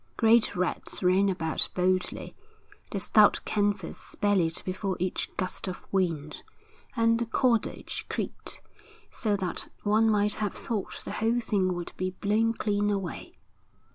Great rats ran about boldly. The stout canvas bellied before each gust of wind, and the cordage creaked, so that one might have thought the whole thing would be blown clean away.